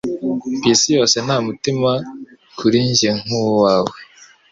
Ku isi yose, nta mutima kuri njye nk'uwawe.